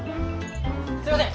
すいません！